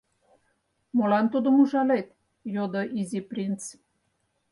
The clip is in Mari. — Молан тудым ужалет? — йодо Изи принц.